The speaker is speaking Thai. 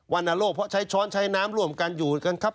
รณโลกเพราะใช้ช้อนใช้น้ำร่วมกันอยู่กันครับ